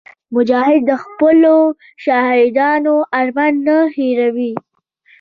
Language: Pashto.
مجاهد د خپلو شهیدانو ارمان نه هېروي.